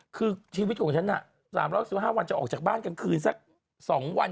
คือชีวิตของฉัน๓๑๕วันจะออกจากบ้านกลางคืนสัก๒วัน